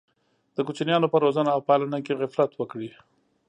د کوچنیانو په روزنه او پالنه کې غفلت وکړي.